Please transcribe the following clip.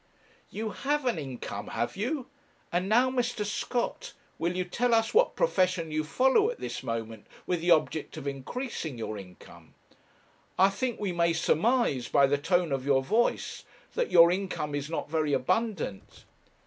'You have an income, have you? And now, Mr. Scott, will you tell us what profession you follow at this moment with the object of increasing your income? I think we may surmise, by the tone of your voice, that your income is not very abundant.'